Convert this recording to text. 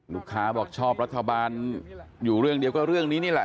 ลูกค้าบอกชอบรัฐบาลอยู่เรื่องเดียวก็เรื่องนี้นี่แหละ